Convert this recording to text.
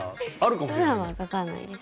普段は書かないですね。